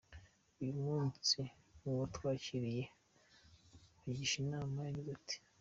Uyu munsi uwatwandikiye agisha inama yagize ati:.